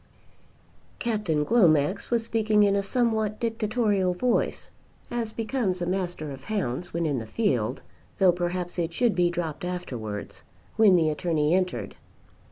Captain Glomax was speaking in a somewhat dictatorial voice, as becomes a Master of Hounds when in the field, though perhaps it should be dropped afterwards when the Attorney entered.